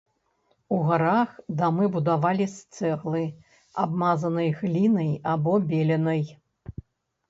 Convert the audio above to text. У гарах дамы будавалі з цэглы, абмазанай глінай або беленай.